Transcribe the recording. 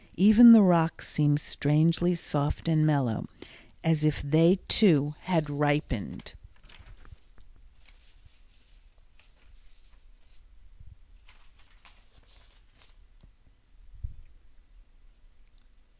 Even the rocks seem strangely soft and mellow, as if they, too, had ripened.